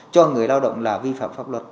cho người lao động là vi phạm pháp luật